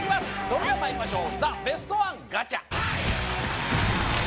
それではまいりましょうザ・ベストワンガチャ！